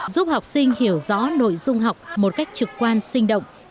giúp học sinh hiểu rõ nội dung học một cách trực quan sinh động